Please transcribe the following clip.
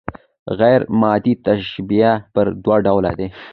غير عادي تشبیه پر دوه ډوله ده.